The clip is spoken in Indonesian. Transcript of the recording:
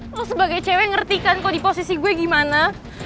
lo sebagai cewek ngertikan kok di posisi gue gimana